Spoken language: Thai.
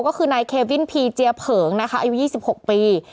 ก็คือนายเควินพีเจียเผิงนะคะอายุ๒๖ปี